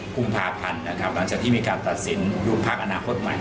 กุมภาพันธุ์หลังจากที่มีการตัดสินยูงพรรคอาณาคตใหม่